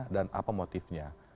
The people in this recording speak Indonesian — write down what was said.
dan apa motifnya